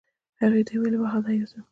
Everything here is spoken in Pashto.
هغه ته یې وویل: واخله دا یوسه.